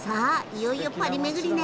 いよいよパリ巡りね。